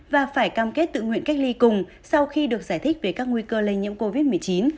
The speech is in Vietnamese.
và phải cam kết tự nguyện cách ly cùng sau khi được giải thích về các nguy cơ lây nhiễm covid một mươi chín